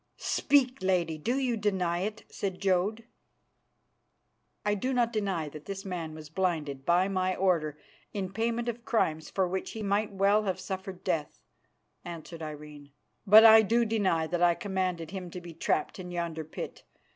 "Speak, Lady. Do you deny it?" said Jodd. "I do not deny that this man was blinded by my order in payment of crimes for which he might well have suffered death," answered Irene. "But I do deny that I commanded him to be trapped in yonder pit.